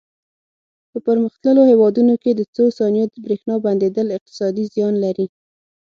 په پرمختللو هېوادونو کې د څو ثانیو برېښنا بندېدل اقتصادي زیان لري.